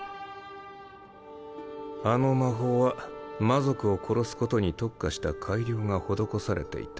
あの魔法は魔族を殺すことに特化した改良が施されていた。